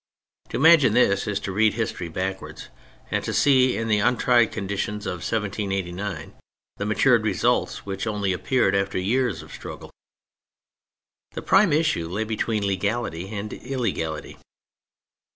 To imagine this is to read history backwards, and to see in the untried condi tions of 1789 the matured results which only appeared after years of struggle. The prime issue lay between legality and illegality.